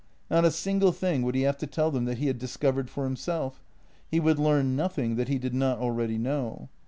Not a single thing would he have to tell them that he had discovered for himself; he would learn nothing that he did not already know.